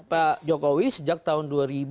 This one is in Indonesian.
oleh pak jokowi sejak tahun dua ribu empat belas